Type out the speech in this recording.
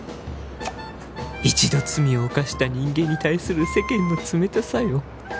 「一度罪を犯した人間に対する世間の冷たさよ」